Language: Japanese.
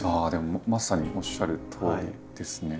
まさにおっしゃるとおりですね。